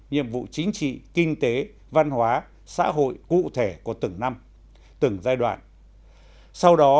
nhiệm vụ chính trị kinh tế văn hóa xã hội cụ thể của từng năm từng giai đoạn sau đó